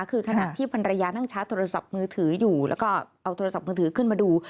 คือขณะที่ภรรยานั่งชาร์จโทรศัพท์มือถืออยู่แล้วก็เอาโทรศัพท์มือถือขึ้นมาดู